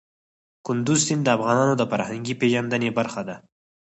کندز سیند د افغانانو د فرهنګي پیژندنې برخه ده.